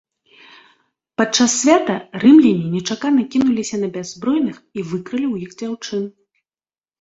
Падчас свята рымляне нечакана кінуліся на бяззбройных і выкралі ў іх дзяўчын.